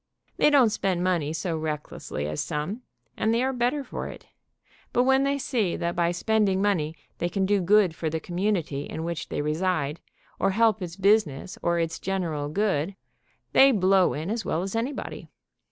They don't spend money so recklessly as some, and they are better for it, but when they see that by spending money they can do good for the community in which they reside, or help its business or its general good, they blow in as well as anybody.